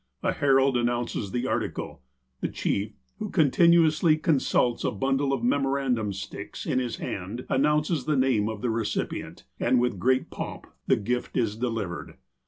A herald announces the article. The chief, who continuously consults a bundle of memorandum sticks in his hand announces the name of the recipient, and with great pomp the gift is delivered.